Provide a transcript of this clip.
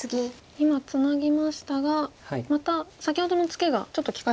今ツナぎましたがまた先ほどのツケがちょっと利かしになってると。